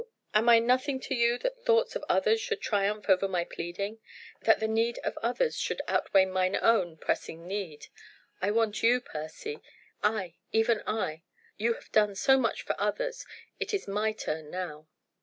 Am I nothing to you that thoughts of others should triumph over my pleading? that the need of others should outweigh mine own most pressing need? I want you, Percy! aye! even I! You have done so much for others it is my turn now."